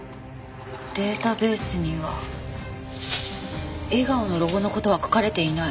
データベースには笑顔のロゴの事は書かれていない。